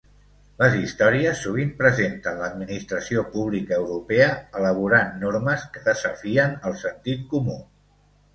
Les històries sovint presenten l'administració pública europea elaborant normes que "desafien el sentit comú".